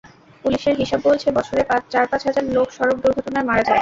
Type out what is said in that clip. পুলিশের হিসাব বলছে, বছরে চার-পাঁচ হাজার লোক সড়ক দুর্ঘটনায় মারা যায়।